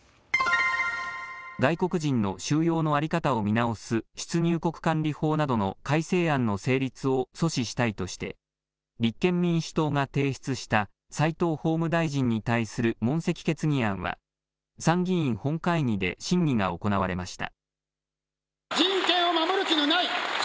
外国人の収容の在り方を見直す出入国管理法などの改正案の成立を阻止したいとして立憲民主党が提出した齋藤法務大臣に対する問責決議案は参議院本会議で審議が行われました。